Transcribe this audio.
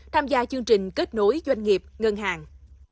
tham gia chương trình kết nối doanh nghiệp ngân hàng